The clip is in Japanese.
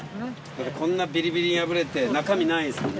こんなビリビリに破れて中身ないんですもんね。